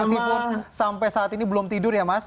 mas ibu sampai saat ini belum tidur ya mas